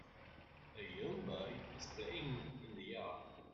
A young boy is playing in the yard.